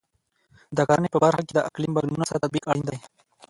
د کرنې په برخه کې د اقلیم بدلونونو سره تطابق اړین دی.